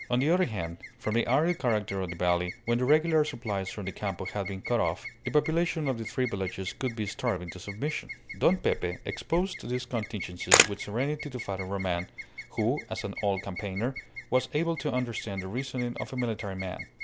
On the other hand, from the arid character of the valley, when the regular supplies from the Campo had been cut off, the population of the three villages could be starved into submission. Don Pepe exposed these contingencies with serenity to Father Roman, who, as an old campaigner, was able to understand the reasoning of a military man.